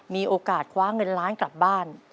มีโอกาสคว้าเงินล้านกลับบ้าน